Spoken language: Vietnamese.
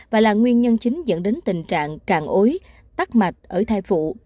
và là nguyên nhân chính dẫn đến tình trạng càng ối tắc mạch ở thai phụ